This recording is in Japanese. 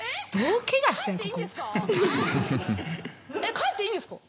帰っていいんですか？